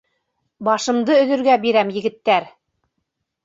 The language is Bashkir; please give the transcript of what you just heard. Башымды өҙөргә бирәм, егеттәр!